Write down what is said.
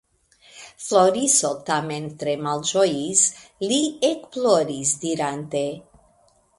Floriso tamen tre malĝojis; li ekploris dirante.